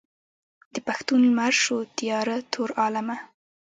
د پښتون لمر شو تیاره تور عالمه.